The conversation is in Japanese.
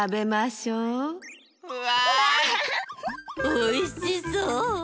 おいしそう。